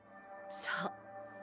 そう。